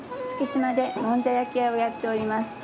月島でもんじゃ焼き屋をやっております。